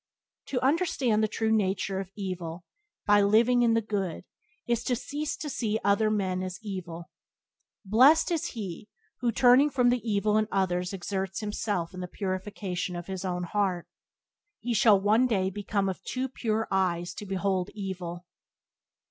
To understand the true nature of evil by living in the good is to cease to see other men as evil. Blessed is he who, turning from the evil in others exerts himself in the purification of his own heart. He shall one day become of "too pure eyes to behold evil."